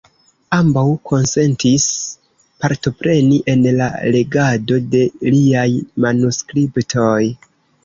Ambaŭ konsentis partopreni en la legado de liaj manuskriptoj.